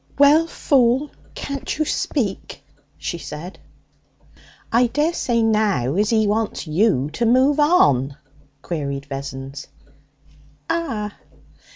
'Well, fool, can't you speak?' she said. 'I dare say now as he wants you to move on?' queried Vessons. 'Ah.'